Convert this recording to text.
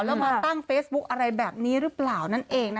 แล้วมาตั้งเฟซบุ๊คอะไรแบบนี้หรือเปล่านั่นเองนะคะ